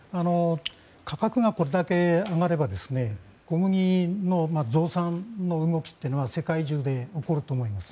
価格がこれまで上がれば小麦の増産の動きは世界中で起こると思います。